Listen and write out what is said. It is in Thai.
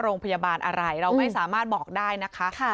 โรงพยาบาลอะไรเราไม่สามารถบอกได้นะคะ